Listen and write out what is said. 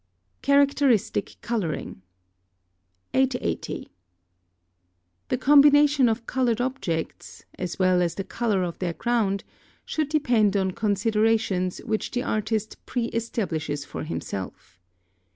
CHARACTERISTIC COLOURING. 880. The combination of coloured objects, as well as the colour of their ground, should depend on considerations which the artist pre establishes for himself.